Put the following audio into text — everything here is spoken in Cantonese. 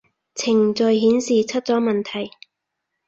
程序顯示出咗問題